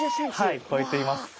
はい超えています。